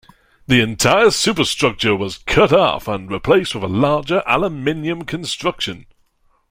The entire superstructure was cut off, and replaced with a larger, aluminium construction.